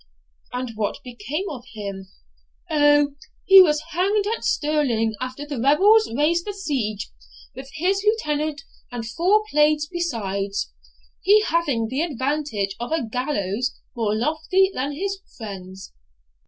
'And what is become of him?' 'Oh, he was hanged at Stirling after the rebels raised the siege, with his lieutenant and four plaids besides; he having the advantage of a gallows more lofty than his friends.'